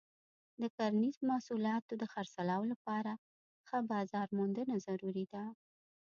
د کرنیزو محصولاتو د خرڅلاو لپاره ښه بازار موندنه ضروري ده.